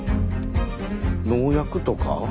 農薬とか？